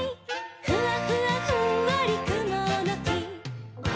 「ふわふわふんわりくものき」